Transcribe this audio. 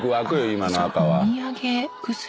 今の赤は。